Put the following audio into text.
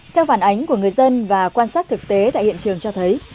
theo phản ánh của người dân và quan sát thực tế tại hiện trường cho thấy